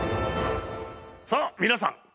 さあ皆さん